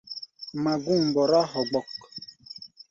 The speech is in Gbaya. Magú̧u̧ mbɔrá hogbok.